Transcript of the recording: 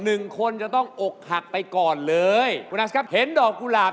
เอาละครับวันนี้เราได้เห็นนะครับ